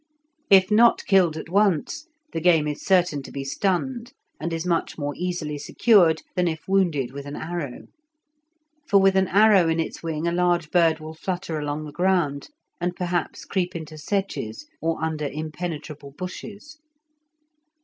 If not killed at once, the game is certain to be stunned, and is much more easily secured than if wounded with an arrow, for with an arrow in its wing a large bird will flutter along the ground, and perhaps creep into sedges or under impenetrable bushes.